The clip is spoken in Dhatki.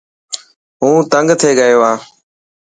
هون تنگ ٿييگيو هان.